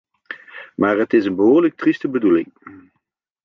Maar het is een behoorlijk trieste bedoeling.